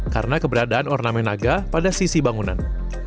karena keberadaan ornamen naga pada sisi bangunan